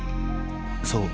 ［そう。